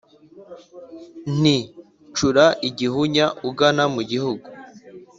Nti "cura igihunya ugana mu gihugu